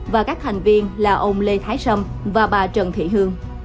và các thành viên là ông lê thái sâm và bà trần thị hương